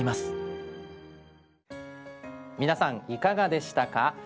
皆さんいかがでしたか？